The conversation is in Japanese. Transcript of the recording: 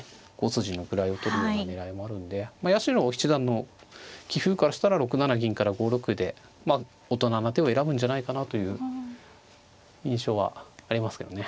５筋の位を取るような狙いもあるんで八代七段の棋風からしたら６七銀から５六歩でまあ大人な手を選ぶんじゃないかなという印象はありますけどね。